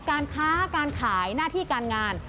การค้าการขายหน้าที่การงาน